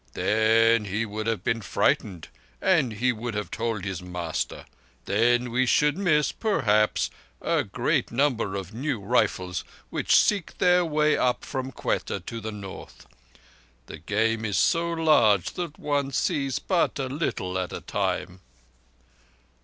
"Then he would have been frightened, and he would have told his master. Then we should miss, perhaps, a great number of new rifles which seek their way up from Quetta to the North. The Game is so large that one sees but a little at a time."